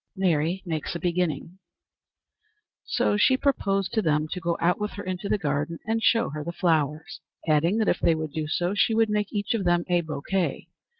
Mary makes a Beginning. So she proposed to them to go out with her into the garden and show her the flowers, adding that if they would do so she would make each of them a bouquet.